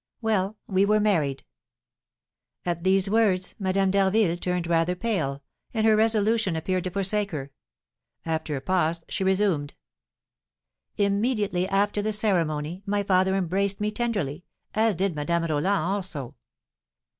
Well, we were married." At these words, Madame d'Harville turned rather pale, and her resolution appeared to forsake her. After a pause, she resumed: "Immediately after the ceremony, my father embraced me tenderly, as did Madame Roland also.